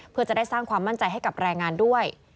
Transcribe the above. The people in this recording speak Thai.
เพื่อจะได้สร้างความมั่นใจให้กับแรงงานด้วย